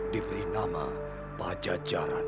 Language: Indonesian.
diberi nama bajajaran